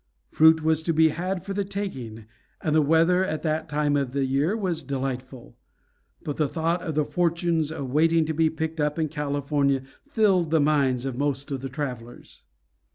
Fruit was to be had for the taking, and the weather at that time of the year was delightful. But the thought of the fortunes waiting to be picked up in California filled the minds of most of the travelers.